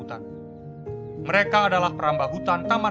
memperjuangkan ibu ibu itu susah pak